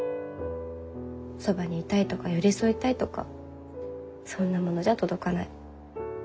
そばにいたいとか寄り添いたいとかそんなものじゃ届かない。